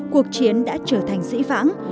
cuộc chiến đã trở thành dĩ vọng